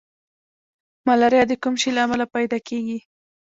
ملاریا د کوم شي له امله پیدا کیږي